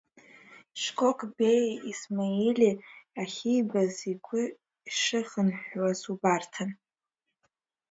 Шкок Беии Исмаили ахьибаз игәы шыхынҳәуаз убарҭан.